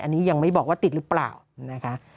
อันนี้ยังไม่บอกว่าติดหรือเปล่านะคะ